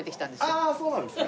ああそうなんですね。